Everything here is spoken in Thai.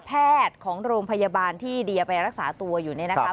แพทย์ของโรงพยาบาลที่เดียไปรักษาตัวอยู่เนี่ยนะคะ